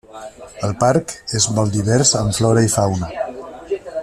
El parc és molt divers en flora i fauna.